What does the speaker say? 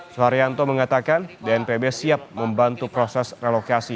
suharyanto mengatakan bnpb siap membantu proses relokasi